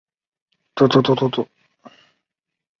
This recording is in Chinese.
银座的小林会二代目会长。